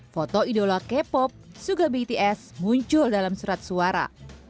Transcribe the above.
foto idola k pop suga bts muncul dalam surat suara